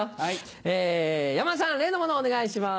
山田さん例のものをお願いします。